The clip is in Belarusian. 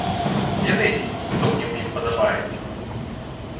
Ведаеце, што мне ў ім падабаецца?